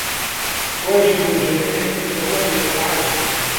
واجب الجميع ليس واجب أحد.